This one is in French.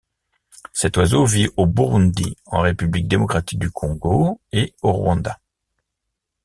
Cet oiseau vit au Burundi, en République démocratique du Congo et au Rwanda.